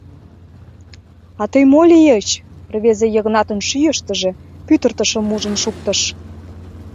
— А тый мо лийыч? — рвезе Йыгнатын шӱйыштыжӧ пӱтыртышым ужын шуктыш.